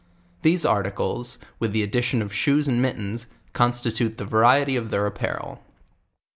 These articles, with the addition of shoes and mittens, constitute the variety of their apparel.